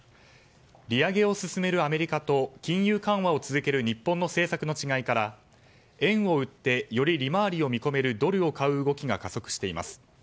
利上げを進めるアメリカと金融緩和を続ける日本の政策の違いから円を売ってより利回りを見込めるドルを買う動きが加速しています。